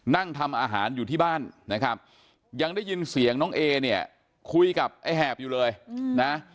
นั่งทำอาหารอยู่ที่บ้านนะครับยังได้ยินเสียงน้องเอเนี่ยคุยกับไอ้แหบอยู่เลยนะ